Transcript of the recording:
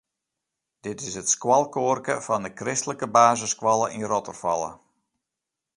Dit is it skoalkoarke fan de kristlike basisskoalle yn Rottefalle.